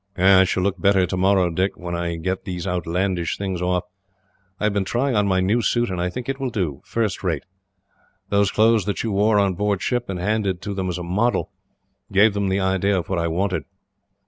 "I shall look better tomorrow, Dick, when I get these outlandish things off. I have been trying on my new suit, and I think it will do, first rate. Those clothes that you wore on board ship, and handed to them as a model, gave them the idea of what I wanted."